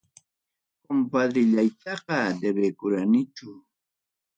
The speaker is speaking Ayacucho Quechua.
Compadrellayta debekuranichu.